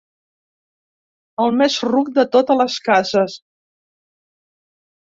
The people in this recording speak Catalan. El més ruc de totes les cases.